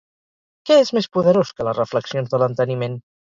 Què és més poderós que les reflexions de l'enteniment?